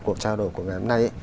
cuộc trao đổi của ngày hôm nay